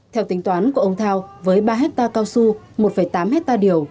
theo tính toán của ông thao với ba hectare cao su một tám hectare điều